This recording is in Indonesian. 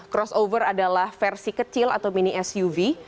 crossover adalah versi kecil atau mini suv